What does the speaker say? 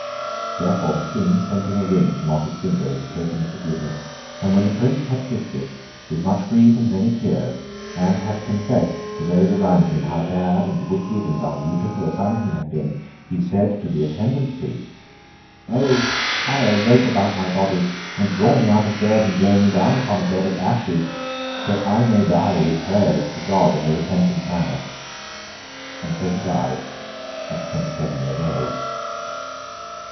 Therefore the King sent him a ring from off his finger as a token of forgiveness; and when the Prince had kissed it, with much grief and many tears, and had confessed to those around him how bad, and wicked, and undutiful a son he had been; he said to the attendant Priests: 'O, tie a rope about my body, and draw me out of bed, and lay me down upon a bed of ashes, that I may die with prayers to God in a repentant manner!' And so he died, at twenty seven years old.